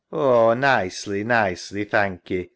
Oh, nicely, nicely, thankee.